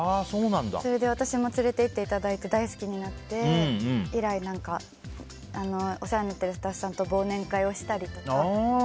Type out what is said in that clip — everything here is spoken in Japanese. それで私も連れていっていただいて大好きになって以来お世話になってるスタッフさんと忘年会をしたりとか。